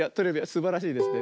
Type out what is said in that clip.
すばらしいですね。